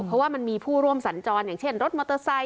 เพราะว่ามันมีผู้ร่วมสัญจรอย่างเช่นรถมอเตอร์ไซค